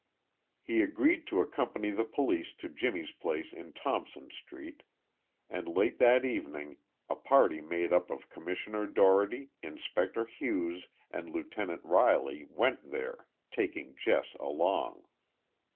He agreed to accompany the police to Jimmie's place in Thompson street, and late that evening a party made up of Commissioner Dougherty, Inspector Hughes and Lieutenant Riley went there, taking Jess along.